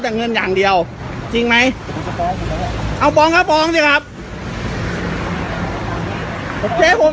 แต่เงินอย่างเดียวจริงไหมเอาฟองกระปองสิครับโอเคผม